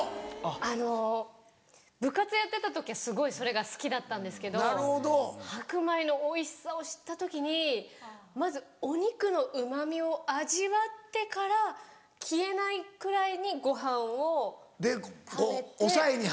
あの部活やってた時はすごいそれが好きだったんですけど白米のおいしさを知った時にまずお肉の旨みを味わってから消えないくらいにご飯を食べて。